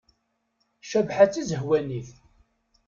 Cabḥa d tazehwanit.